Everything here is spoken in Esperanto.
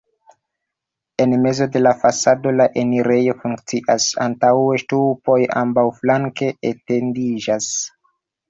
En mezo de la fasado la enirejo funkcias, antaŭe ŝtupoj ambaŭflanke etendiĝas.